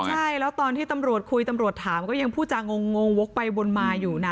ใช่แล้วตอนที่ตำรวจคุยตำรวจถามก็ยังพูดจางงวกไปวนมาอยู่นะ